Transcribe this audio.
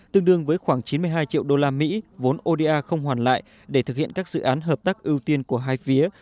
tương đương với khoảng chín mươi hai triệu đô la mỹ vốn oda không hoàn lại để thực hiện các dự án hợp tác ưu tiên của hai phía